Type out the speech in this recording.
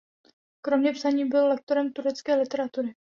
Kromě psaní byl lektorem turecké literatury.